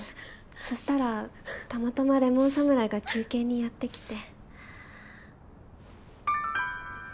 そしたらたまたまレモン侍が休憩にやってきて。